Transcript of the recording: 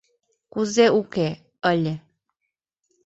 — Кузе уке — ыле.